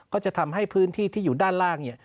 ก็จะทำให้พื้นที่ที่อยู่ด้านล่างเนี่ย